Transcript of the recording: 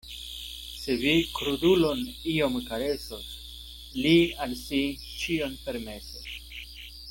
Se vi krudulon iom karesos, li al si ĉion permesos.